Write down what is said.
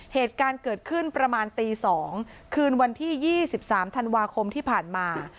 เหตุการณ์เกิดขึ้นประมาณตี๒คืนวันที่๒๓ธันวาคมที่ผ่านมา